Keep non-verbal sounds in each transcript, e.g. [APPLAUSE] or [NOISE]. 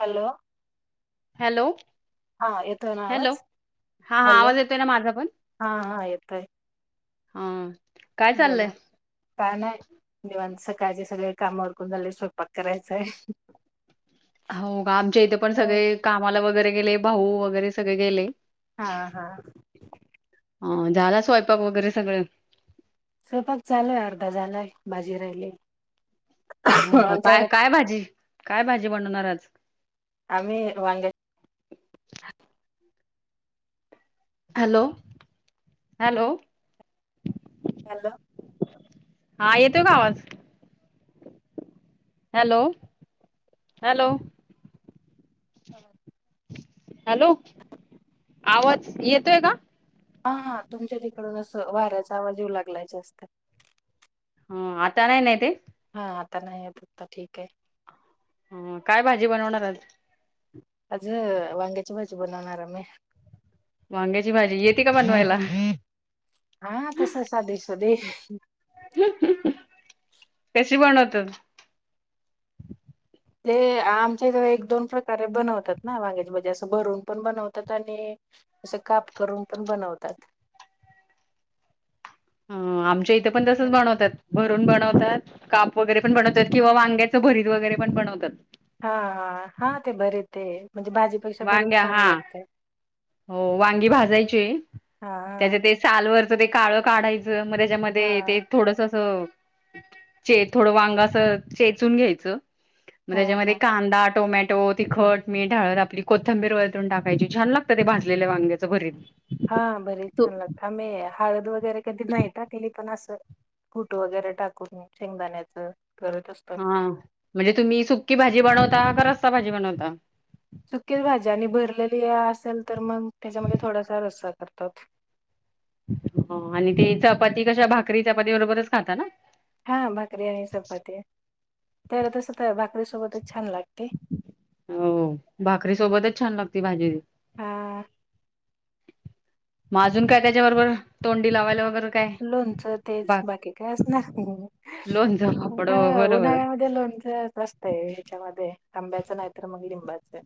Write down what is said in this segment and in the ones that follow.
Hello hello हा येतोय ना हॅलो आवाज हा हा हॅलो आवाज येतोय ना माझा पण हा हा येतोय हा काय चाललंय बोला काय नाही निवांत सकाळचे सगळे काम उरकून झाले स्वयंपाक करायचाय. [INAUDIBLE] हो आमच्या इथे पण अ, सगळे कामाला वगैरे गेले भाऊ वगैरे सगळे गेले हा हा ह झाला स्वयंपाक वगैरे सगळं स्वयंपाक चालूय अर्धा झालंय भाजी राहिली हो का काय आमच्याकडे काय भाजी काय भाजी बनवणार आज आम्ही वांग्याचे हॅलो हॅलो हॅलो हा येतो का आवाज? हॅलो हॅलो हो हॅलो, आवाज येतोय का‌? हा हा तुमच्या तिकडून असं वाऱ्याचा आवाज येऊ लागलाय जास्त. ह आता नाही ना येते हा आता नाही येत आता ठीकय. हं काय भाजी बनवणार आज? आज वांग्याची भाजी बनवणार आम्ही. वांग्याची भाजी येते का बनवायला? हा तस साधे-साधे. कशी बनवतात? ते आमच्या इथ एक दोन प्रकारे बनवतात ना वांग्याची भाजी असं भरून पण बनवतात आणि असं काप करून पण बनवतात. हम्म आमच्या इथे पण तसच बनवतात. भरून बनवतात काप वगैरे पण बनवतात किंवा वांग्याचं भरीत वगैरे पण बनवतात. हां हां हा ते बरे ते म्हणजे भाजी वांग्या हा हो वांगी भाजायची हा तेज ते सालवरचं ते काळं काढायचं मग हा त्याच्यामध्ये ते थोडस असं‌ चे थोडं वांग अस चेचून घ्यायचं. मग हम्म त्याच्यामध्ये हम्म कांदा, टोमॅटो, तिखट, मीठ, हळद आपली कोथंबीर वरतून टाकायची छान लागत ते भाजलेल्या वांग्याचं भरीत‌. हा भरीत छान लागत आम्ही हळद वगैरे कधी नाही टाकली पण असं कुठ वगैरे टाकून शेंगदाण्याच करत असत. हा म्हणजे तुम्ही सुक्की भाजी बनवता का रस्सा भाजी बनवता? सूकीच भाज्या आणि भरलेली असेल तर मग त्याच्यामध्ये थोडासा रस्सा करतात. ह आणि ते चपाती कशा भाकरी चपाती बरोबरच खाता ना? हां भाकरी आणि चपाती, तर तसं तर भाकरीसोबतच छान लागते. हो भाकरी सोबतच छान लागते भाजी ती. हां. म अजून काय त्याच्याबरोबर तोंडी लावायला वगैरे काय लोनचं तेच बा बाकी काय असणार. लोणचं पापड ह बरोबर उन्हाळ्यामध्ये लोणचं ते ह्याच्यामध्ये आंब्याचं नाहीतर मग लिंबाचं.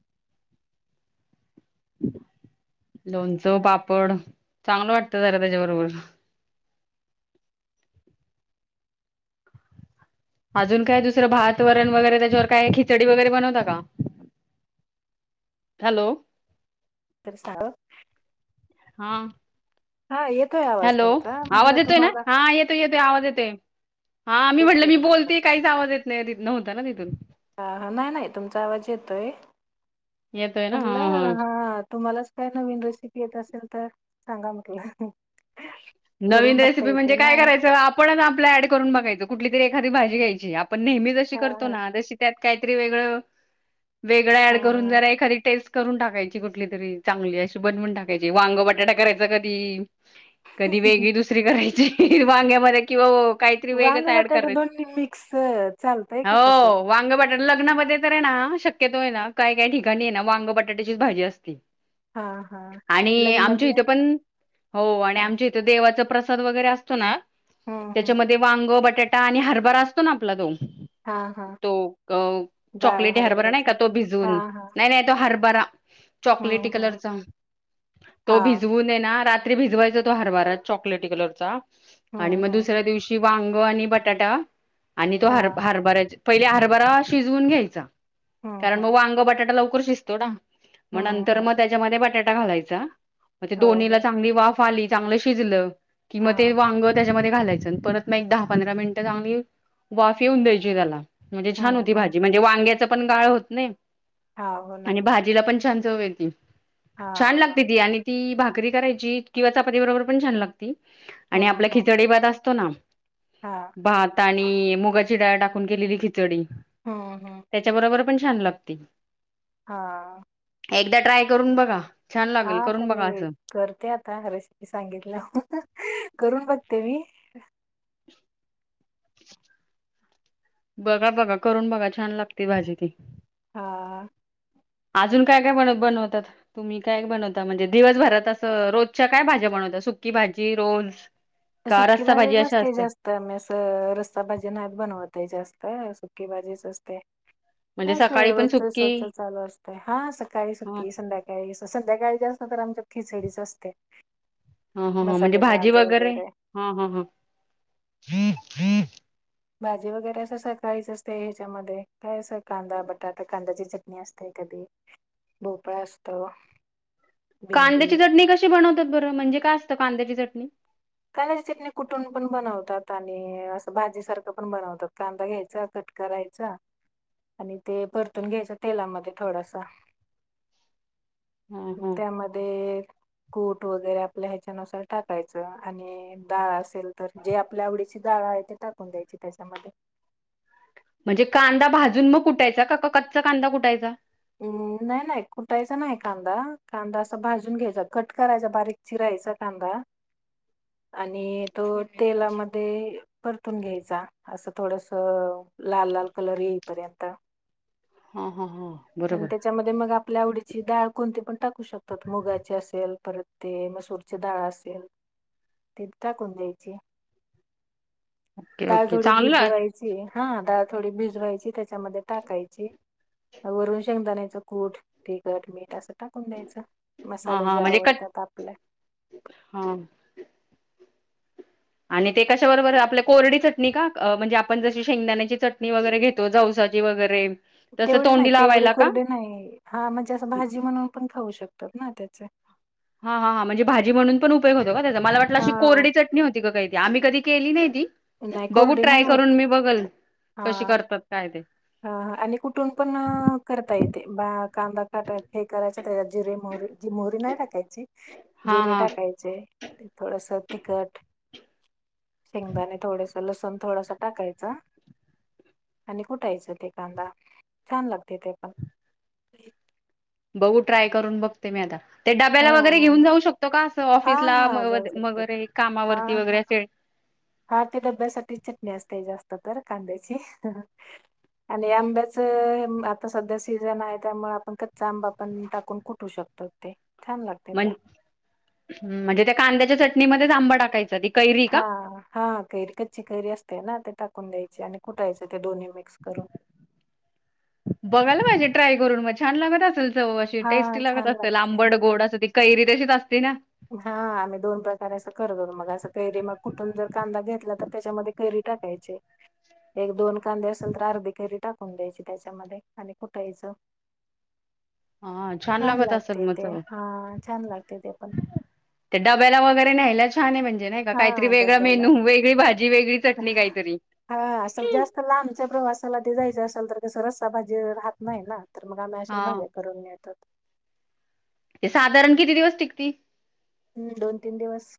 लोणचं, पापड चांगलं वाटत जरा त्याच्याबरोबर. अजून काय दुसरं भात, वरण वगैरे त्याच्यावर काय खिचडी वगैरे बनवता का? हॅलो तर साध हां हा येतोय आ हॅलो आवाज येतोय ना हा येतोय येतोय आवाज येतोय. हा मी म्हटलं येतोय मी तुमचा बोलते काहीच आवाज येत [UNINTELLIGIBLE] नव्हता ना तिथून. ह नाही नाही तुमचा आवाज येतोय येतोय ना हा म्हटलं हा तुम्हालाच काय नवीन रेसिपी येत असेल तर सांगा म्हटलं. करून नवीन बघता रेसिपी म्हणजे येते ना काय करायचं आप आपणच आपल ऍड करून बघायच कुठली तरी एखादी भाजी घ्यायची आपण नेहमी जशी हा करतो ना तशी त्यात काहीतरी वेगळं, वेगळं हा ऍड करून हा. जरा एखादी टेस्ट करून टाकायची कुठली तरी चांगली अशी बनवून टाकायची वांग, बटाटा करायचा कधी कधी वेगळी दुसरी करायची वांग्यामध्ये किंवा ओ वांग, बटाटा दोन्ही मिक्स चालतय का तसं? हो वांग, बटाटे लग्नामध्ये तर आहे ना शक्यतो आहे ना काय काय ठिकाणी आहे ना वांग, बटाट्याचीच भाजी असते. हा हा आणि आमच्या लग्नातल्या इथं पण हो आणि हा आमच्या इथे देवाचा प्रसाद वगैरे असतो ना हम्म हम्म त्याच्यामध्ये वांग, बटाट आणि हरभरा असतो ना आपला तो हा हा तो अ डाळ चॉकलेटी हरभरा नाही हरभऱ्याचे का तो हा भिजून हा नाही नाही तो हरभरा हम्म चॉकलेटी हम्म कलरचा तो हा भिजवूनये ना रात्री भिजवायच तो हरभार चॉकलेटी कलरचा आणि हम्म मग हम्म दुसऱ्या दिवशी वांग आणि बटाटा आणि तो हर हा हरभरा पहिले हरभरा शिजवून घ्यायचा. हम्म कारण मग हम्म वांग, बटाटा लवकर शिजतो ना मग हम्म हम्म नंतर मग त्याच्यामध्ये बटाटा घालायचा हो दोन्हीला हो चांगली वाफ आली चांगलं शिजलं की म हा ते वांग त्याच्यामध्ये घालायचं परत मग एक दहा पंधरा मिनिटं चांगली वाफ येऊन द्यायची त्याला. म्हणजे छान हम्म होती हम्म भाजी म्हणजे वांग्याच पण गाळ होत नाही हा हो ना आणि भाज तिला पण छान चव येती हा छान हा लागते ती आणि ती भाकरी करायची किंवा चपाती बरोबर पण छान लागते आणि आपला खिचडी भात असतो ना. हां. भात आणि मुगाची डाळ टाकून केलेली खिचडी हा हा. त्याच्या बरोबर पण छान लागते. हा. एकदा ट्राय करून बघा छान लागेल हा तर करून मी बघा असं. करते आता रेसिपी सांगितल्यावर करून बघते मी बघा बघा करून बघा छान लागते भाजी ती हा. अजून काय काय बन बनवतात. तुम्ही काय बनवता म्हणजे दिवसभरात असं रोजच्या काय भाज्या बनवता सुक्की भाजी रोज, ह. सुकी भाजीचं असते जास्त तर मी अस रस्ता भाजी नाहीत बनवत जास्त सुकी भाजीच असते. काय म्हणजे अस सकाळी पण रोजच सुकी रोच चालू असतय हा सकाळी ह सुकी संध्याकाळी का संध्याकाळी जास्त तर आमच्या खिचडीच असत्या. ह ह म्हणजे भाजी वगैरे ह ह ह. भाजी वगैरे असं सकाळीच असते ह्याच्यामध्ये काय अस कांदा बटाटा कांद्याची चट असते कधी भोपळा असतो. भेंडी कांद्याची चटणी कशी बनवतात बरं म्हणजे काय असतं कांद्याची चटणी कांद्याची चटणी कुठून पण बनवतात आणि असं भाजी सारखं पण बनवतात कांदा घ्यायचा क करायचा आणि ते परतून घ्यायच तेलामध्ये थोडसा. [INAUDIBLE] मग ह त्यामध्ये कुट वगैरे आपल्या ह्याच्यानुसार टाकायचं. आणि डाळ असेल तर जे आपल्या आवडीची डाळ आहे ते टाकून द्यायची त्याच्यामध्ये म्हणजे कांदा भाजून मग कुटायचा का का कच्चा कांदा कुटायचा हम् नाही नाही कुटायचा नाही कांदा कांदा असा भाजून घ्यायचा कट करायचा बारीक चिरायचा कांदा [INAUDIBLE] आणि तो तेलामध्ये परतून घ्यायचा. असं थोडस लाल लाल कलर येईपर्यंत हम् हम हम आणि त्याच्यामध्ये मग आपल्या आवडीची डाळ कोणती पण टाकू शकतात मुगाची असेल परत ते म डाळ असेल ती टाकून द्यायची. ओके डाळ ओके थोडी चांगलं भिजवायची हा डाळ थोडी भिजवायची त्याच्यामध्ये टाकायची. वरून शेंगदाण्याचं कूट, तिखट, मीठ असं टाकून द्यायच हा मसाले हा जे म्हणजे कट आवडतात आपल्या हा आणि ते कशा बरोबर आपल्या कोरडी चटणी का? म्हणजे आपण जशी शेंगदाण्याची चटणी वगैरे घेत तो जौसाची वगैरे तसं तेवढे नाही तोंडी तेवढे लावायला का कोरडे नाही हा म्हणजे असं भाजी म्हणून पण खाऊ शकतात ना त्याचे. हा हा हां म्हणजे भाजी म्हणुन पण उपयोग होतो का त्याचा? मला वाटलं अशी हा कोरडी चटणी होती का काही? आम्ही कधी केली नाही ती, नाही बघू कोरडे ट्राय नाही करून होत मी बघल कशी करतात काय ते? ह आणि कुठून पण करता येते, बा कांदा हे करायच त्या जिरे मोहरी जी मोहरी नाही टाकायची हा जिरे हा टाकायचे. ते थोडस तिखट शेंगदाणे थोडस लसण थोडस टाकायच. कुटायचं ते कांदा छान लागते ते पण बघू ट्राय करून बघते मी आता ते हा डाब्याला वगैरे आणि घेऊन जाऊ शकतो का हा ऑफिसला हा जाऊ शकतो वगैरे हा कामावरती वगैरे हा असेल. हा ते डब्यासाठी चटणी असते. जास्त तर कांद्याची आणि आंब्याचं आता सध्या सीझन आहे. त्यामुळे आपण कच्चा आंब आपण टाकून कुठू शकतो. हो ते [INAUDIBLE] ण त्या म्हणजे त्या कांद्याच्या चटणीमध्येच आंबा टाकायचा. कैरी हा का हा कैरी कच्ची कैरी असते ना ते टाकून द्यायची आणि कुठायचं ते दोन्ही मिक्स करून. बघायला पाहिजे ट्राय करून मग छान लागत असेल च अशी हा टेस्टी लागत छान असेल लागते आंबड, गोड अस. कैरी तशीच असते ना? हा आम्ही दोन प्रकारे असं करत होतो. मग असं कैरी मग कुठून जर कांदा घेतला तर त्याच्यामध्ये कैरी टाकायचे. एक, दोन कांदे असेल तर अर्धी कैरी टाकून द्यायची त्याच्यामध्ये आणि कुठायचं. [UNINTELLIGIBLE] हा छान लागत असल लागते मग ते चव. हा छान लागते ते पण ते डब्याला वगैरे न्यायलाच छान आहे म्हणजे नाही हा काहीतरी वेगळा डब्याला मेनू, वेगळी भाजी, वेगळी चटणी काहीतरी हा असं जास्त लांबचा प्रवास ला ते जायचं असेल तर कस रस्सा भाजी राहत नाही ना तर मग आम्ही अश्या हा. भाजी करून नेतोत. ते साधारण किती दिवस टिकती? हं दोन-तीन दिवस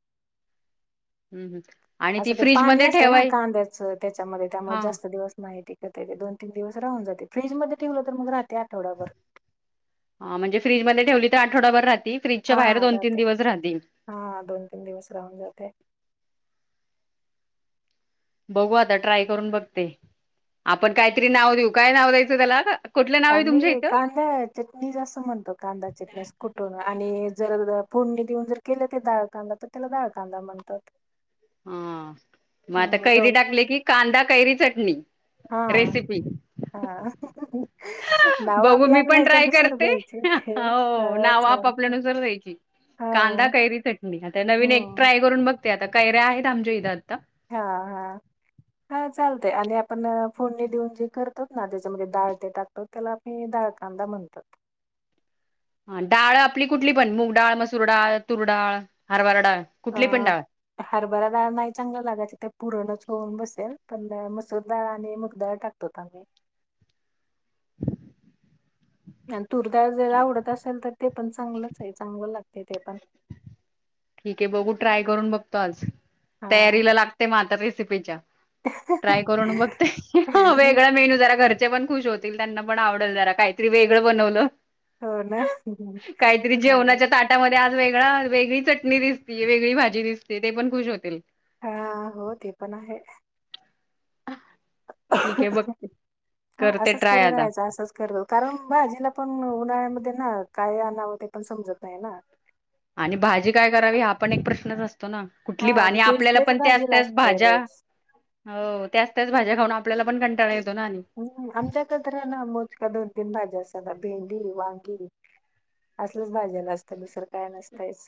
हम्म हम्म. आणि ती असं ते पाणी फ्रीजमध्ये असत ना ठेवाय कांद्याच त्याच्यामध्ये त्यामुळे हा. जास्त दिवस नाही ती दोन, तीन दिवस राहून जाते. फ्रीज मध्ये ठेवल तर मग राहते आठवड्याभर हा म्हणजे फ्रीजमध्ये ठेवली तर आठवडाभर राहते. हा राहते हा दोन, तीन दिवस राहून जाते. बघू आता ट्राय करून बघते. आपण काहीतरी नाव देऊ? काय नाव द्यायचं त्याला? कुठलं नाव आहे तुमच्या आम्ही इथं? कांदा चटणी असं म्हणतो. कांदा चटणी अस कुठून आणि जर फोडणी देऊन जर केलं ते डाळ, कांदा तर त्याला डाळ, कांदा म्हणतो. हा मग आता हम्म कैरी दोन टाकले की कांदा, कैरी चटणी हा रेसिपी हा नाव बघू आपल्या मी आपल्या पण ट्राय ह्याच्यानुसार करते द्यायचे हो हा नाव चालत आपपल्यानुसार द्यायची. हा कांदा, कैरी चटणी आता नवीन एक हम्म ट्राय करून बघते. आता कैऱ्या आहेत आमच्या इथं आता हा हा हा चालत आणि आपण फोडणी देऊन जे करतोत ना त्याच्यामध्ये डाळ ते टाकतो. त्याला काही दाळ, कांदा म्हणतात. हा डाळ आपली कुठली पण मुग डाळ, मसूर डाळ, तूरडाळ, हरभरा डाळ. कुठली पण हा डाळ हरभरा डाळ नाही चांगला लागायची ते पुरणच होऊन बसेल पण मसूरडाळळा आणि मूग दाळ टाक तोता मी आणि तूरदाळ जर आवडत असल तर ते पण चांगलंच आहे चांगलं लागतय ते पण. ठीक आहे बघू ट्राय करून बघतो आज, हा तयारीला लागते म आता रेसिपीच्या. ट्राय करून बघते, वेगळ मील जरा घर चे पण खुश होतील त्यांना पण आवडल जरा काहीतरी वेगळं बनवलं. हो ना, हा. त्या मध्ये आज वेगळा वेगळी चटणी दिसती, वेगळी भाजी दिसते, ते पण खुश होतील. हा हो ते पण आहे. ठीक आहे बघते हा करते असच ट्राय करत आता. रहायच असच. कर कारण भाजीला पण उन्हाळ्यामध्ये ना काय आणावं ते पण समजत नाही ना. आणि भाजी काय करावी हा पण एक प्रश्नच असतो ना? हा कुठली आणि भानी तेच आपल्याला तेच पण त्याच भाजीला त्याच असतंय भाज्या रोज हो त्याच त्याच भाज्या खाऊन आपल्याला पण कंटाळा येतो ना आणि. हम आमच्याकतर ना मोजक्या दोन तीन भाज्या असतात भेंडी, वांगी. असलच भाज्याला असतं दुसरं काय नसतयच.